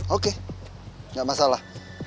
oke gak masalah